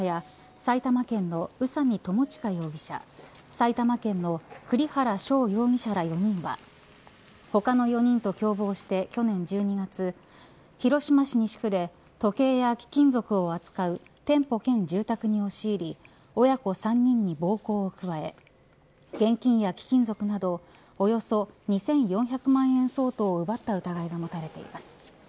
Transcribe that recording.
埼玉県の栗原翔容疑者ら４人は他の４人と共謀して去年１２月広島市西区で時計や貴金属を扱う店舗兼住宅に押し入り親子３人に暴行を加え現金や貴金属など、およそ２４００万円相当を奪った疑いが持たれています。